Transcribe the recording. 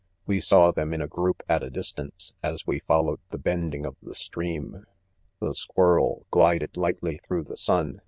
We saw them in a group at a distance, as we followed" the bending of the stream. * The s.quirrel glided lightly through the sun